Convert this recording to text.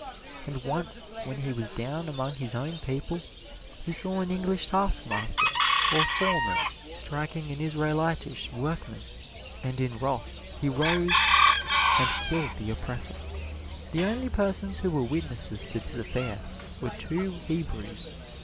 And once when he was down among his own people he saw an Egyptian taskmaster or foreman striking an Israelitish workman, and in wrath he arose and killed the oppressor. The only persons who were witnesses to this affair were two Hebrews.